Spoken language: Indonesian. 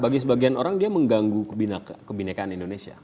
bagi sebagian orang dia mengganggu kebenekaan indonesia